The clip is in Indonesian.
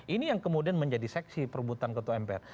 ini yang kemudian menjadi seksi perebutan ketua mpr